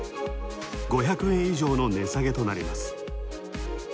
５００円以上の値下げとなります。